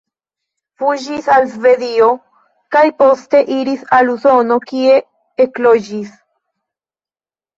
Fuĝis al Svedio kaj poste iris al Usono, kie ekloĝis.